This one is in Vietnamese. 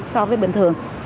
so với bình thường